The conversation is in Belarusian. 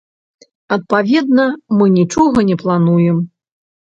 Адпаведна, мы нічога не плануем.